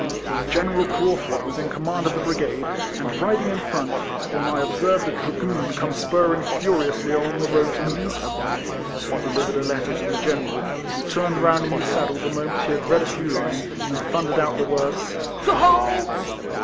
General Craufurd was in command of the brigade, and riding in front, when I observed a dragoon come spurring furiously along the road to meet us. He delivered a letter to the General, who turned round in his saddle the moment he had read a few lines, and thundered out the word " to halt